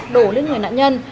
đổ lên người nạn nhân